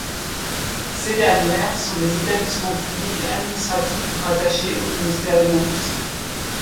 Ces dernières sont des établissements publics administratifs rattachés au ministère de l'industrie.